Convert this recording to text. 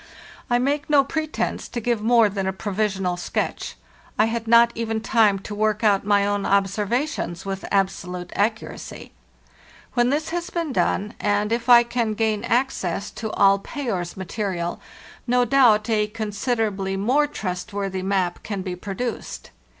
I make no pre tence to give more than a provisional sketch; I had not even time to work out my own observations with abso lute accuracy. When this has been done, and if I can gain access to all Payer's material, no doubt a consider ably more trustworthy map can be produced.